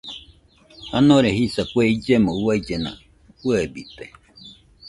Janore jisa kue illemo uaillena fɨebite